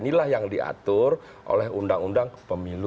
inilah yang diatur oleh undang undang pemilu